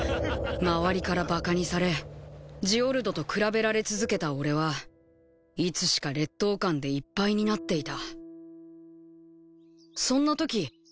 周りからバカにされジオルドと比べられ続けた俺はいつしか劣等感でいっぱいになっていた。